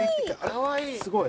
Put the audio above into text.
かわいい！